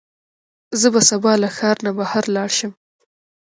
زه به سبا له ښار نه بهر لاړ شم.